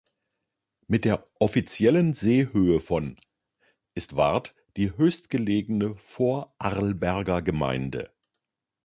Mit der offiziellen Seehöhe von ist Warth die höchstgelegene Vorarlberger Gemeinde.